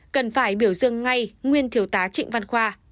cần phải biểu dương ngay nguyên thiếu tá trịnh văn khoa